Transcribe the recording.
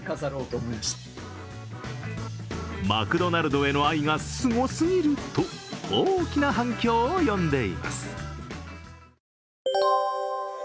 マクドナルドへの愛がすごすぎると大きな反響を呼んでいます。